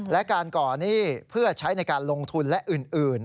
และการก่อหนี้เพื่อใช้ในการลงทุนและอื่น